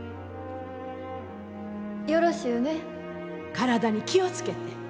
体に気を付けて。